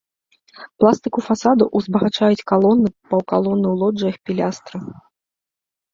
Пластыку фасадаў узбагачаюць калоны і паўкалоны ў лоджыях, пілястры.